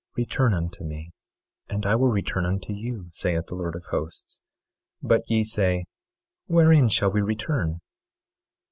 Return unto me and I will return unto you, saith the Lord of Hosts. But ye say: Wherein shall we return?